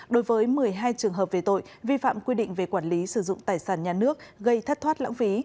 đối với một mươi hai trường hợp về tội vi phạm quy định về quản lý sử dụng tài sản nhà nước gây thất thoát lãng phí